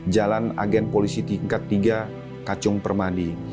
jalan agen polisi tingkat tiga kacung permandi